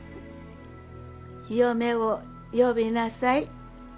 嫁を呼びなさい。